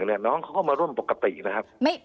น้องเขาก็มาร่วมปกตินะครับ